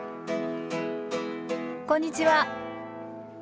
こんにちは。